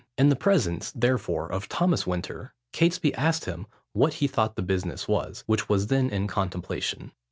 In the presence, therefore, of Thomas Winter, Catesby asked him what he thought the business was, which was then in contemplation.